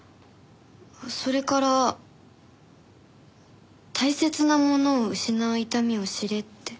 それから大切な者を失う痛みを知れって。